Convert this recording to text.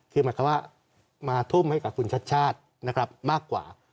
คือหมายความว่ามาทุ่มให้กับคุณชาติชาติมากกว่า